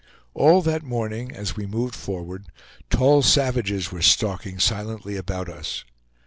All that morning, as we moved forward, tall savages were stalking silently about us.